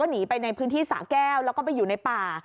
หนีไปในพื้นที่สะแก้วแล้วก็ไปอยู่ในป่า